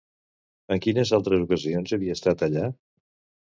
En quines altres ocasions havia estat allà?